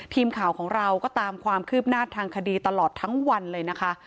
ทีมข่าวของเราก็ตามความคืบหน้าทางคดีตลอดทั้งวันเลยนะคะ